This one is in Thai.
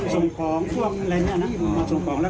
ตอนแรกคิดว่ารถมาจอดเนี่ย